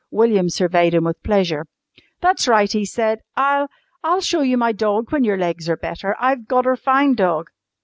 William surveyed him with pleasure. "That's right," he said. "I'll I'll show you my dog when your legs are better. I've gotter fine dog!"